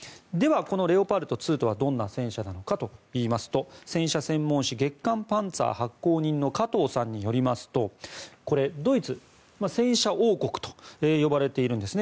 このレオパルト２とはどんな戦車かといいますと戦車専門誌「月刊パンツァー」発行人の加藤さんによりますとこれ、ドイツ戦車王国と呼ばれているんですね